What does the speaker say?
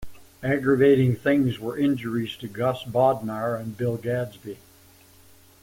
Aggravating things were injuries to Gus Bodnar and Bill Gadsby.